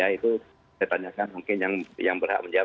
itu saya tanyakan mungkin yang berhak menjawab